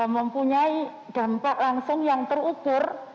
mempunyai dampak langsung yang terukur